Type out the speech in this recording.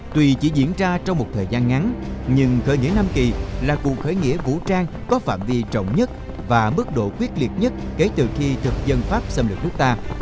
tuy chỉ diễn ra trong một thời gian ngắn nhưng khởi nghĩa nam kỳ là cuộc khởi nghĩa vũ trang có phạm vi trọng nhất và mức độ quyết liệt nhất kể từ khi thực dân pháp xâm lược nước ta